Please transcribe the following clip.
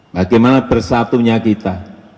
bagaimana bersatunya kita